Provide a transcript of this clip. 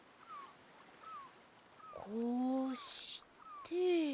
こうして。